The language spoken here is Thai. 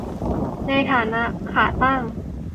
ในฐานะ 'ขาตั้ง'